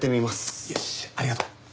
よしありがとう。